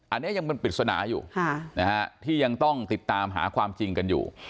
อันนี้ยังเป็นปริศนาอยู่ที่ยังต้องติดตามหาความจริงกันอยู่